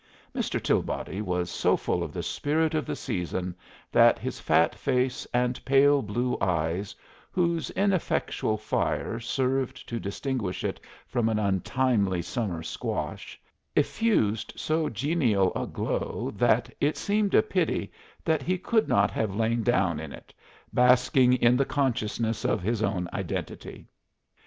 Mr. Tilbody was so full of the spirit of the season that his fat face and pale blue eyes, whose ineffectual fire served to distinguish it from an untimely summer squash, effused so genial a glow that it seemed a pity that he could not have lain down in it, basking in the consciousness of his own identity.